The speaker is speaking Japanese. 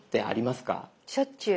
しょっちゅう。